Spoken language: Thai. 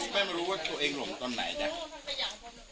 ไม่รู้ว่าตัวเองหลงตอนไหนนะ